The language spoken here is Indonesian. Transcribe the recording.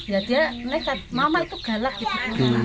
ya dia nekat mama itu galak gitu